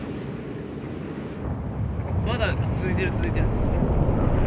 まだ続いてる続いてる。